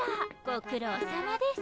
ご苦労さまです。